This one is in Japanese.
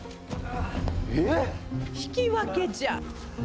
引き分けじゃ！